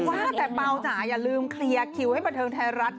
ว่าแต่เปล่าจ๋าอย่าลืมเคลียร์คิวให้บันเทิงไทยรัฐ